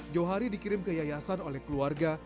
jauhari dikirim ke yayasan oleh keluarga